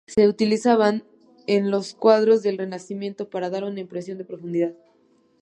Se utilizaba en los cuadros del Renacimiento para dar una impresión de profundidad.